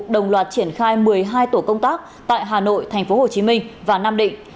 đồng loạt triển khai một mươi hai tổ công tác tại hà nội thành phố hồ chí minh và nam định